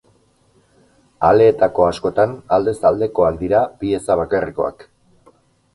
Aleetako askotan, aldez aldekoak dira, pieza bakarrekoak.